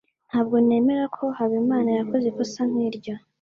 ntabwo nemera ko habimana yakoze ikosa nkiryo